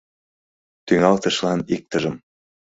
— Тӱҥалтышлан иктыжым.